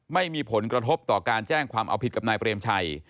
ไม่มีผลกระทบต่อการแจ้งความเอาผิดกับนายเปรมชัย